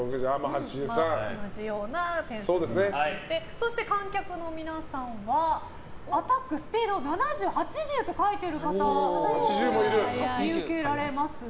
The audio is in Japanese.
そして観客の皆さんはアタックのスピード７０、８０と書いている方が見受けられますね。